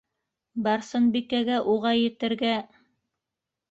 Барсынбикәгә уға етергә...